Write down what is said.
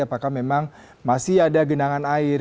apakah memang masih ada genangan air